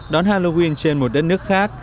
đón halloween trên một đất nước khác